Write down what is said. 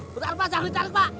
bentar pak saya hantar pak